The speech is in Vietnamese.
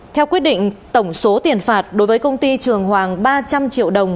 theo quyết định tổng số tiền phạt đối với công ty trường hoàng ba trăm linh triệu đồng